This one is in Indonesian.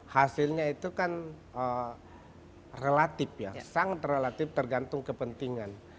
hasilnya itu kan relatif ya sangat relatif tergantung kepentingan